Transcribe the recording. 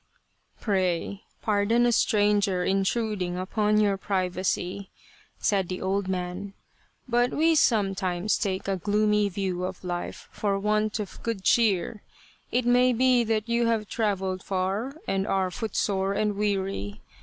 '' Pray pardon a stranger intruding upon your privacy," said the old man, " but we sometimes take a gloomy view of life for want of good cheer. It may be that you have travelled far and are footsore and weary.